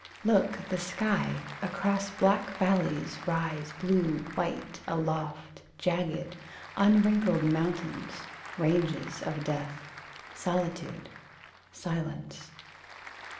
Look, the sky! Across black valleys Rise blue white aloft Jagged, unwrinkled mountains, ranges of death. Solitude. Silence.